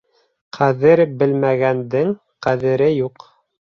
Ҡәҙер белмәгәндең ҡәҙере юҡ.